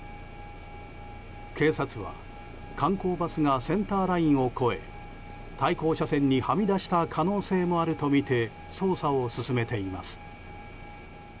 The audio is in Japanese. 警察は、観光バスがセンターラインを越え対向車線にはみ出した可能性もあるとみて捜査を進めています。